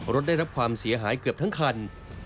รถได้รับความเสียหายเกือบทั้งคัน